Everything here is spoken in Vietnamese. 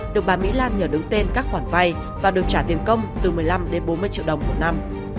được bà mỹ lan nhờ đứng tên các khoản vay và được trả tiền công từ một mươi năm đến bốn mươi triệu đồng một năm